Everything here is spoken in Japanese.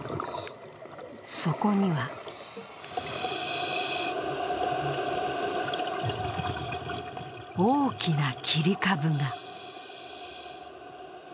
そこには大きな切り株が。